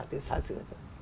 tới xa xưa